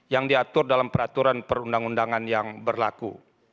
yang diatur dalam peraturan perundang undangan yang berlaku